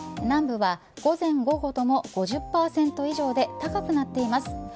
南部は午前午後とも５０％以上で高くなっています。